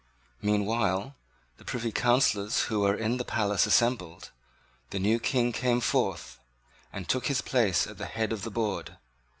Meanwhile the Privy Councillors who were in the palace assembled. The new King came forth, and took his place at the head of the board.